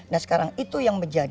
nah sekarang itu yang menjadi